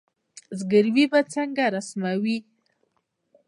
زګیروي به څنګه رسموي